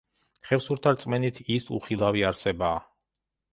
ხევსურთა რწმენით ის უხილავი არსებაა.